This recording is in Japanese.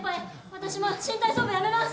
私も新体操部辞めます。